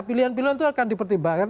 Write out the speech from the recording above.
pilihan pilihan itu akan dipertimbangkan